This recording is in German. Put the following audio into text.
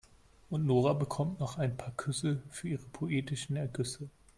Und Nora bekommt noch ein paar Küsse für ihre poetischen Ergüsse.